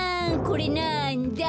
これなんだ？